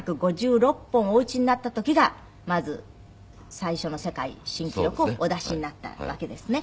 ７５６本お打ちになった時がまず最初の世界新記録をお出しになったわけですね。